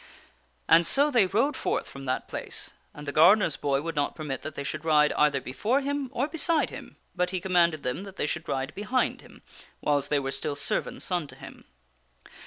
And so they rode forth from that place ; and the gardener's boy would not permit that they should ride either before him or beside him, but he commanded them that they should ride behind him whiles they were still servants unto him.